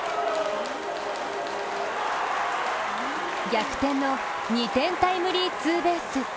逆転の２点タイムリーツーベース。